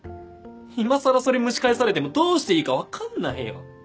今更それ蒸し返されてもどうしていいか分かんないよ！